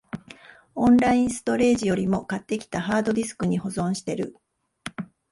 オンラインストレージよりも、買ってきたハードディスクに保存してる